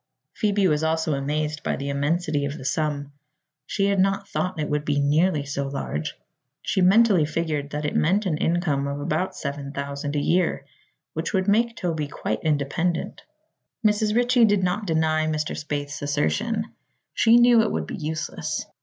Phoebe was also amazed by the immensity of the sum. She had not thought it would be nearly so large. She mentally figured that it meant an income of about seven thousand a year, which would make Toby quite independent. Mrs. Ritchie did not deny Mr. Spaythe's assertion. She knew it would be useless.